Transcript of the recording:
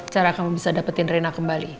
cara kamu bisa dapetin rena kembali